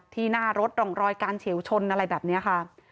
ที่หน้ารถรองรอยการเฉวชนอะไรแบบเนี้ยค่ะ